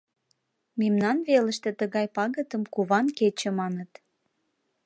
Мемнан велыште тыгай пагытым «куван кече» маныт.